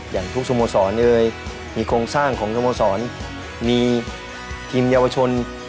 อย่างทุกสโมสรเอ่ยมีโครงสร้างของสโมสรมีทีมเยาวชน